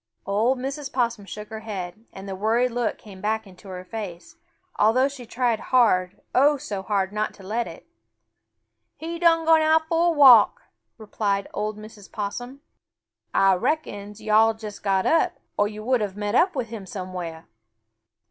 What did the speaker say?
Old Mrs. Possum shook her head, and the worried look came back into her face, although she tried hard, oh, so hard, not to let it. "He done go out fo' a walk," replied old Mrs. Possum. "Ah reckons yo'all just got up, or yo' would have met up with him somewhere."